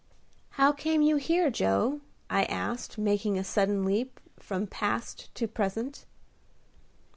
"How came you here, Joe?" I asked, making a sudden leap from past to present.